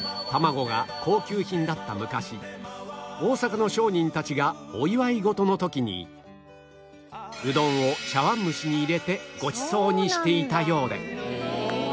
大阪の商人たちがお祝い事の時にうどんを茶碗蒸しに入れてごちそうにしていたようで